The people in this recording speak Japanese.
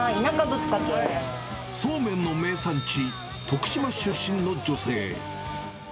田舎ぶっそうめんの名産地、徳島出身の女性。